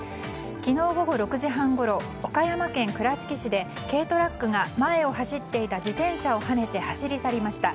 昨日午後６時半ごろ岡山県倉敷市で軽トラックが前を走っていた自転車をはねて走り去りました。